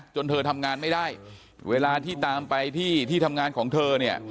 เธอทำงานไม่ได้เวลาที่ตามไปที่ที่ทำงานของเธอเนี่ย